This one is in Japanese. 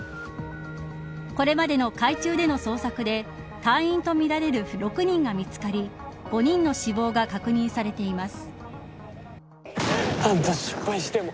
これまでの海中での捜索で隊員とみられる６人が見つかり５人の死亡が確認されています。